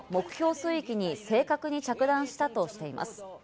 水域に正確に着弾したとしています。